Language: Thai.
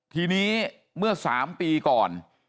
ทีนี้เมื่อ๓ปีก่อน